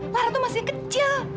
lara tuh masih kecil